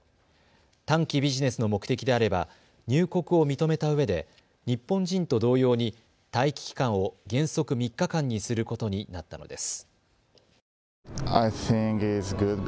短期ビジネスの目的であれば入国を認めたうえで日本人と同様に待機期間を原則３日間にすることになったのです。